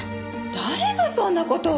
誰がそんな事を！？